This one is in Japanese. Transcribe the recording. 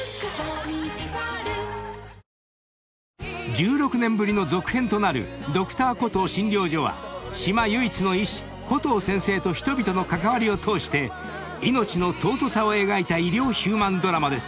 ［１６年ぶりの続編となる『Ｄｒ．コトー診療所』は島唯一の医師コトー先生と人々の関わりを通して命の尊さを描いた医療ヒューマンドラマです。